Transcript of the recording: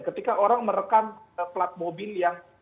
ketika orang merekam plat mobil yang